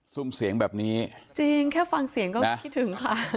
ซุ่มเสียงแบบนี้จริงแค่ฟังเสียงก็ไม่คิดถึงค่ะ